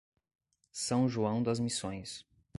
São João das Missões